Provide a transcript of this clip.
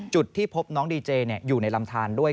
จุดที่พบน้องดีเจอยู่ในลำทานด้วย